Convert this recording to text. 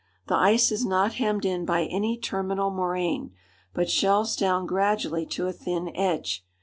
The ice is not hemmed in by any terminal moraine, but shelves down gradually to a thin edge.